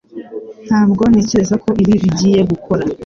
Ntabwo ntekereza ko ibi bigiye gukora